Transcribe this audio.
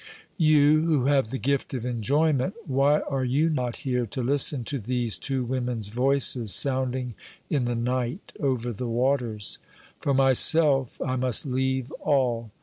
You who have the gift of enjoyment, why are you not here to listen to these two women's voices sounding in the night over the waters? For myself, I must leave all.